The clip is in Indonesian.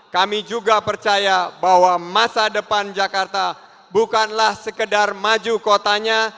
kami juga percaya bahwa masa depan jakarta bukanlah sekedar maju kotanya